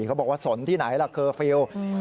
เขาบอกว่าสนที่ไหนล่ะเคอร์ฟิลล์